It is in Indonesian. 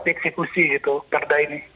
jadi lebih eksekusi gitu perda ini